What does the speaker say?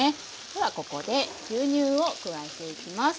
ではここで牛乳を加えていきます。